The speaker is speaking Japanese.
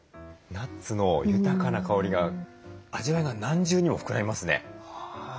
ナッツの豊かな香りが味わいが何重にも膨らみますね。